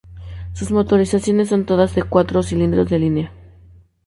Sus motorizaciones son todas de cuatro cilindros de línea.